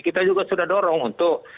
kita juga sudah dorong untuk